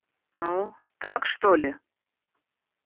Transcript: Ну, так, что ли?